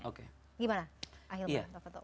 gimana ahilman betul betul